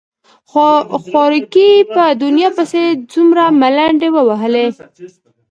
خواركى په دنيا پسې يې څومره منډې ووهلې.